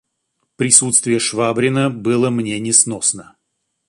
Присутствие Швабрина было мне несносно.